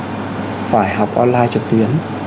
phải học online trực tuyến